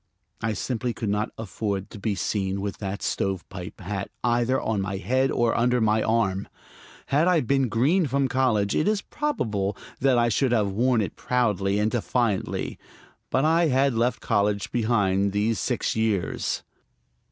I simply could not afford to be seen with that stovepipe hat either on my head or under my arm. Had I been green from college it is probable that I should have worn it proudly and defiantly. But I had left college behind these six years.